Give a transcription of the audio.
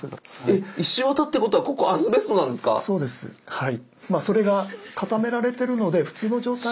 はい。